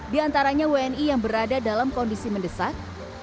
di antaranya wni yang berada dalam kondisi mendesak